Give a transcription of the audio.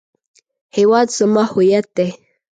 هیواد زما هویت دی